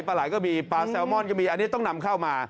ปลาไหลก็มีปลาแซลมอนก็มีอันนี้ต้องนำเข้ามา